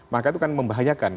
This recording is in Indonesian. maka itu kan membahayakan